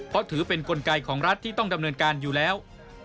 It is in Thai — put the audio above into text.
เพราะถือเป็นกลไกของรัฐที่ต้องดำเนินการอยู่แล้ว